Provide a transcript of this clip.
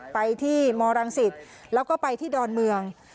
ไปที่มรังสิตแล้วก็ไปที่ดอนเมือง